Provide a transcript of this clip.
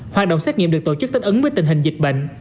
hoạt động xét nghiệm được tổ chức thích ứng với tình hình dịch bệnh